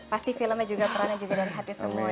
pasti filmnya juga terangnya dari hati semua ya